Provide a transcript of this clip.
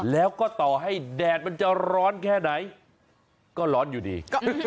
แล้วก็ต่อให้แดดมันจะร้อนแค่ไหนก็ร้อนอยู่ดี